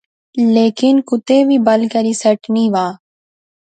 لیکن کوتے وی بل کری سیٹ نی وہا